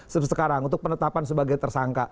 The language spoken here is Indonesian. sekarang untuk penetapan sebagai tersangka